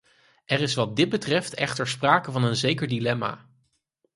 Er is wat dit betreft echter sprake van een zeker dilemma.